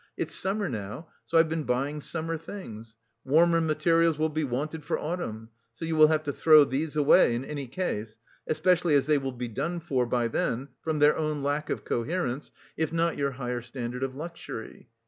It's summer now, so I've been buying summer things warmer materials will be wanted for autumn, so you will have to throw these away in any case... especially as they will be done for by then from their own lack of coherence if not your higher standard of luxury.